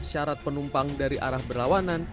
syarat penumpang dari arah berlawanan